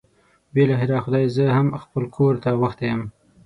بالاخره خدای زه هم خپل کور ته غوښتی یم.